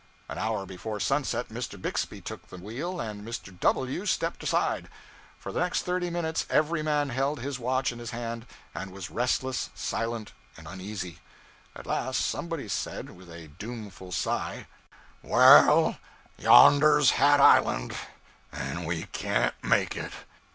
An hour before sunset, Mr. Bixby took the wheel and Mr. W stepped aside. For the next thirty minutes every man held his watch in his hand and was restless, silent, and uneasy. At last somebody said, with a doomful sigh 'Well, yonder's Hat Island and we can't make it.'